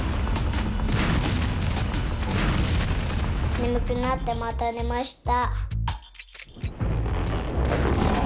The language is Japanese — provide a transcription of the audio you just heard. ねむくなってまたねました。